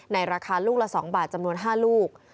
ราคาลูกละ๒บาทจำนวน๕ลูก